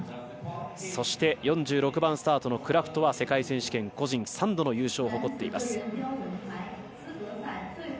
そして、４６番スタートのクラフトは世界選手権個人３度の優勝を誇っています。